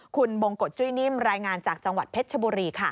คุณบงกฎจุ้ยนิ่มรายงานจากจังหวัดเพชรชบุรีค่ะ